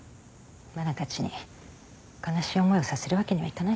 真菜たちに悲しい思いをさせるわけにはいかないから。